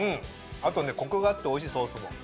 あとねコクがあっておいしいソースも。